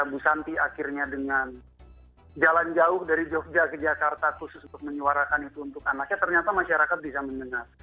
bu santi akhirnya dengan jalan jauh dari jogja ke jakarta khusus untuk menyuarakan itu untuk anaknya ternyata masyarakat bisa mendengar